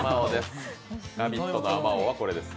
「ラヴィット！」のあまおうはこれです。